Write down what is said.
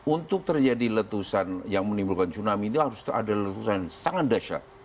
untuk terjadi letusan yang menimbulkan tsunami itu harus ada letusan yang sangat dahsyat